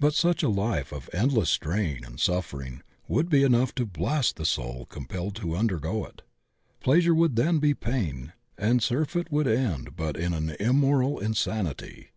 But such a life of endless strain and suffering would be enough to blast the soul compelled to un dergo it. Pleasure would then be pain, and surfeit would end but in an immortal insanity.